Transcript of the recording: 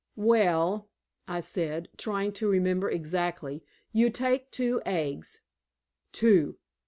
"Well," I said, trying to remember exactly, "you take two eggs " "Two!"